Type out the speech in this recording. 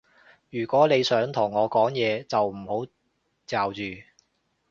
如果你想同我講嘢，就唔好嚼住